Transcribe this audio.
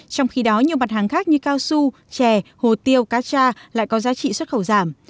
trong khi đó nhiều mặt hàng khác như cao su chè hồ tiêu cá cha lại có giá trị xuất khẩu giảm